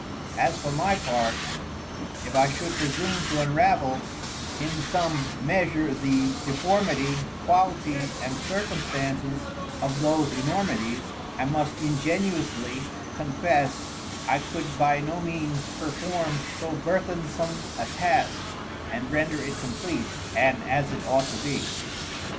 As for my part, if I should presume to unravel, in some, measure the Deformity, Quality and Circumstances of those Enormities, I must ingenuously confess I could by no means perform so burthensom a Task, and render it compleat and as it ought to be.